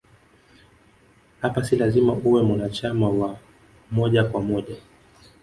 Hapa si lazima uwe mwanachama wa moja kwa moja